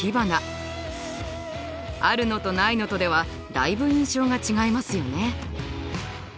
あるのとないのとではだいぶ印象が違いますよね。